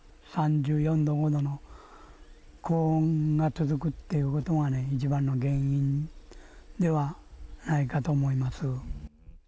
３４、５度の高温が続くっていうことがね、一番の原因ではないかと思います。